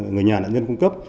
người nhà nạn nhân cung cấp